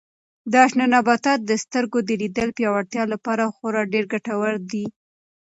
دا شنه نباتات د سترګو د لید د پیاوړتیا لپاره خورا ډېر ګټور دي.